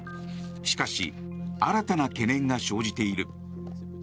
しかし新たな懸念が生じている。